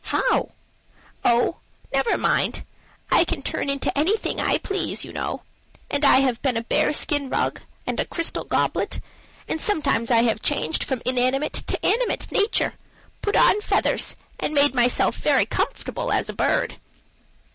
"How?" "Oh, never mind. I can turn into anything I please, you know. And I have been a bearskin rug, and a crystal goblet and sometimes I have changed from inanimate to animate nature, put on feathers, and made myself very comfortable as a bird."